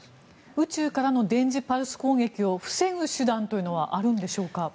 宇宙からの電磁パルス攻撃を防ぐ手段というのはあるんでしょうか？